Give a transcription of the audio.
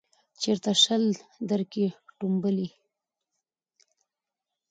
چیرته شل درکښې ټومبلی